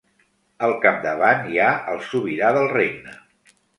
Al capdavant hi ha el sobirà del regne.